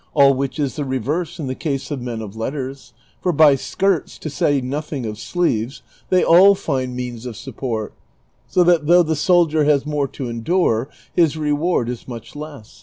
^ All which is the reverse in the case of men of letters ; for by skirts, to say nothing of sleeves,'^ they all find means of support ; so that though the soldier has more to endure, his reward is much less.